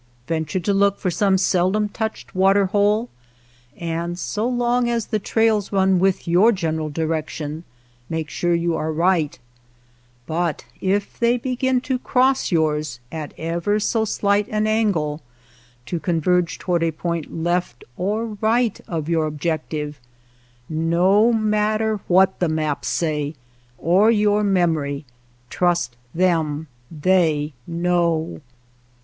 Venture to look for some seldom touched water hole, and so long as the trails run with your general direction make sure you are right, but if they begin to cross yours 28 WATER TRAILS OF THE CERISO at iever so slight an angle, to converge toward a point left or right of your objec tive, no matter what the maps say, or your memory, trust them ; they know.